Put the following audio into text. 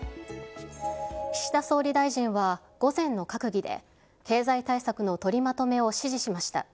岸田総理大臣は、午前の閣議で経済対策の取りまとめを指示しました。